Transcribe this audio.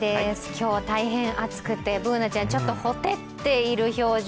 今日は大変暑くて、Ｂｏｏｎａちゃんちょっとほてっている表情